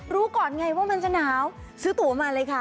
รู้ก่อนไงว่ามันจะหนาวซื้อตัวมาเลยค่ะ